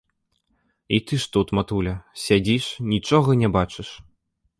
І ты ж тут, матуля, сядзіш, нічога не бачыш.